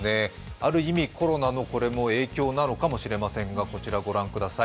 ある意味、コロナの影響なのかもしれませんがこちら、ご覧ください。